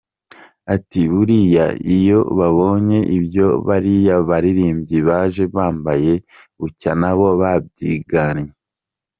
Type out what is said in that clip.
Ati “buriya iyo babonye ibyo bariya baririmbyi baje bambaye, bucya nabo babyigannye”.